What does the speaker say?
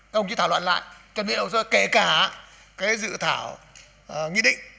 các đồng chí thảo luận lại chuẩn bị lại hồ sơ kể cả cái dự thảo nghị định